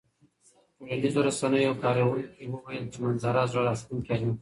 ټولنیزو رسنیو یو کاروونکي وویل چې منظره زړه راښکونکې ده.